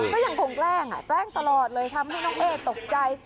ก็ยังคงแกล้งแกล้งตลอดเลยทำให้น้องเอ๊ตกใจ